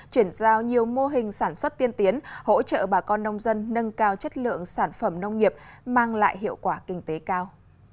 chuyển giao nhiều mô hình sản xuất tiên tiến hỗ trợ bà con nông dân nâng cao chất lượng sản phẩm nông nghiệp mang lại hiệu quả kinh tế cao